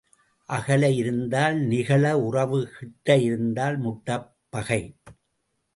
அகல இருந்தால் நிகள உறவு கிட்ட இருந்தால் முட்டப் பகை.